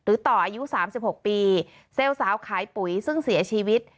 ต่ออายุ๓๖ปีเซลล์สาวขายปุ๋ยซึ่งเสียชีวิต